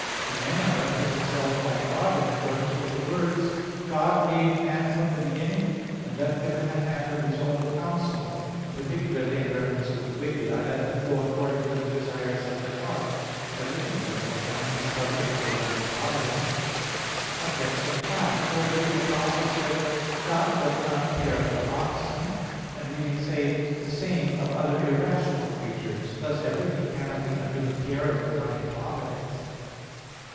But men are left to themselves by God in accordance with the words: "God made man from the beginning, and left him in the hand of his own counsel" (Ecclus. 15:14). And particularly in reference to the wicked: "I let them go according to the desires of their heart" (Ps. 80:13). Everything, therefore, cannot be subject to divine providence. Obj. 5: Further, the Apostle says (1 Cor. 9:9): "God doth not care for oxen [*Vulg. 'Doth God take care for oxen?']": and we may say the same of other irrational creatures. Thus everything cannot be under the care of divine providence.